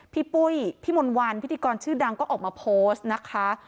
ปุ้ยพี่มนต์วันพิธีกรชื่อดังก็ออกมาโพสต์นะคะ